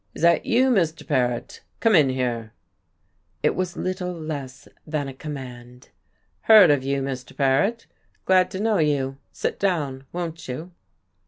"Is that you, Mr. Paret? Come in here." It was little less than a command. "Heard of you, Mr. Paret. Glad to know you. Sit down, won't you?"